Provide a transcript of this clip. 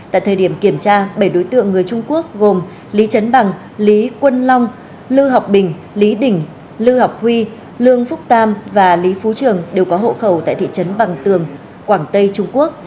tại thời điểm kiểm tra bảy đối tượng người trung quốc gồm lý chấn bằng lý quân long lưu học bình lý đỉnh lưu học huy lương phúc tam và lý phú trường đều có hộ khẩu tại thị trấn bằng tường quảng tây trung quốc